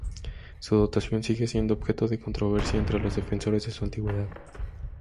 Su datación sigue siendo objeto de controversia entre los defensores de su antigüedad.